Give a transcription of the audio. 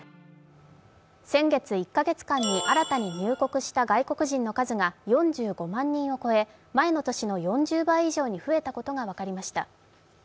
先月、１か月間に新たに入国した外国人の数が４５万人を超え前の年の４０倍に増えたことが分かりました。